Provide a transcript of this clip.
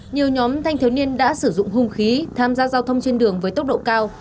nhiều nhóm thanh thiếu niên đã sử dụng hung khí tham gia giao thông trên đường với tốc độ cao